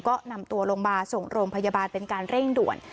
ก็นำตัวลงมาส่งโรงพยาบาลเป็นการเร่งด่วน